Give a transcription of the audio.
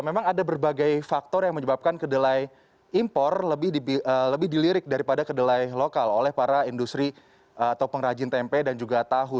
memang ada berbagai faktor yang menyebabkan kedelai impor lebih dilirik daripada kedelai lokal oleh para industri atau pengrajin tempe dan juga tahu